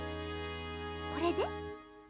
これで？